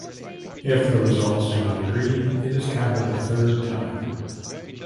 If the results do not agree, it is counted a third time.